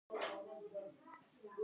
د ډبلیو او زیډ بوزون کمزوری ځواک لېږدوي.